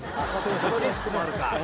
そのリスクもあるか。